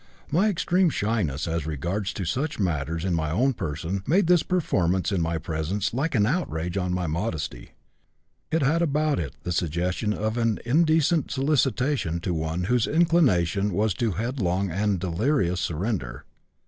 My extreme shyness as regards such matters in my own person made this performance in my presence like an outrage on my modesty; it had about it the suggestion of an indecent solicitation to one whose inclination was to headlong and delirious surrender.